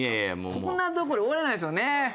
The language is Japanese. こんなところで終われないですよね。